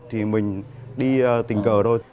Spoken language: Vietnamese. thì mình đi tình cờ thôi